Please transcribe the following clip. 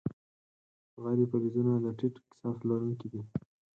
غیر فلزونه د ټیټ کثافت لرونکي دي.